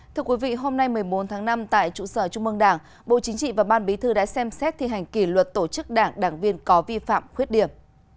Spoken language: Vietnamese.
thưa quý vị hôm nay một mươi bốn tháng năm tại trụ sở trung mương đảng bộ chính trị và ban bí thư đã xem xét thi hành kỷ luật tổ chức đảng đảng viên có vi phạm khuyết điểm